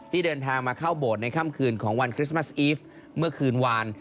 เดินทางมาเข้าโบสถ์ในค่ำคืนของวันคริสต์มัสอีฟเมื่อคืนวาน